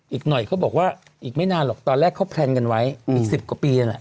อีกหน่อยเขาบอกว่าอีกไม่นานหรอกตอนแรกเขาแพลนกันไว้อีก๑๐กว่าปีนั่นแหละ